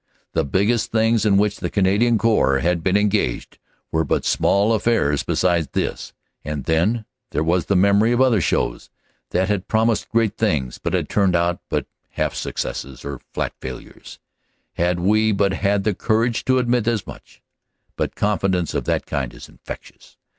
The biggest things in which the Canadian Corps had been engaged were but small affairs beside this; and then there was the memory of other shows that had promised great things but had turned out but half successes or flat failures, had we but had the courage to adrm t as much. But confidence of that kind is infectious.